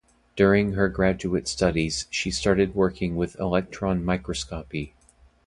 During her graduate studies she started working with electron microscopy.